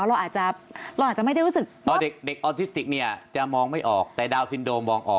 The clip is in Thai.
เราก็จะไม่รู้เลยครับมันไม่รู้เลยครับ